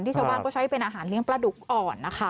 ชาวบ้านก็ใช้เป็นอาหารเลี้ยงปลาดุกอ่อนนะคะ